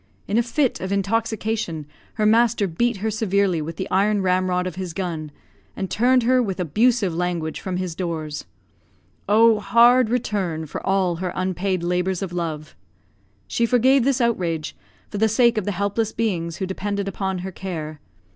In a fit of intoxication her master beat her severely with the iron ramrod of his gun, and turned her, with abusive language, from his doors. Oh, hard return for all her unpaid labours of love! She forgave this outrage for the sake of the helpless beings who depended upon her care.